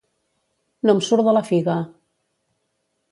No em surt de la figa